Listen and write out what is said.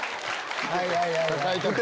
はいはいはいはい。